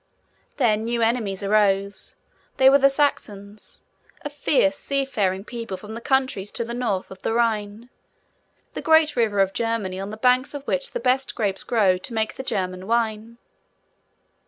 Then new enemies arose. They were the Saxons, a fierce, sea faring people from the countries to the North of the Rhine, the great river of Germany on the banks of which the best grapes grow to make the German wine.